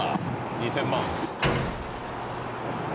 ２，０００万」